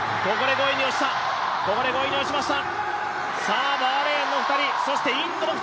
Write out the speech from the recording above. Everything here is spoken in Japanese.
ここで５位に落ちました。